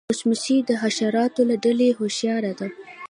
مچمچۍ د حشراتو له ډلې هوښیاره ده